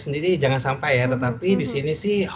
sendiri jangan sampai tetapi disini sih